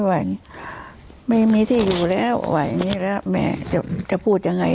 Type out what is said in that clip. ว่าอย่างงี้ไม่มีที่อยู่แล้วว่าอย่างงี้แล้วแม่จะจะพูดยังไง